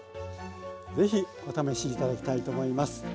ぜひお試し頂きたいと思います。